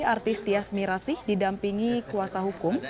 artis tias mirasi didampingi kuasa hukum